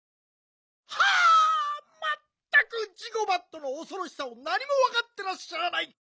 はあまったくジゴバットのおそろしさをなにもわかってらっしゃらない！